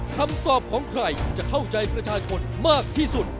คำตอบของใครจะเข้าใจประชาชนมากที่สุด